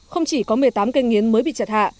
không chỉ có một mươi tám cây nghiến mới bị chặt hạ